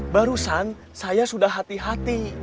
barusan saya sudah hati hati